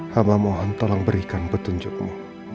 hama mohon tolong berikan petunjukmu